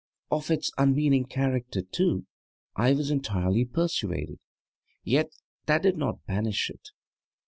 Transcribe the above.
Of its unmeaning character, too, I was entirely persuaded, yet that did not banish it.